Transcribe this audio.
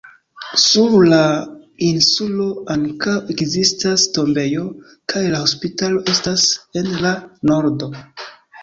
Sur la insulo ankaŭ ekzistas tombejo, kaj la hospitalo estas en la nordo.